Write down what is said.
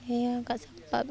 iya gak sempat